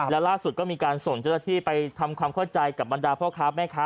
และล่าสุดก็มีการส่งเจ้าหน้าที่ไปทำความเข้าใจกับบรรดาพ่อค้าแม่ค้า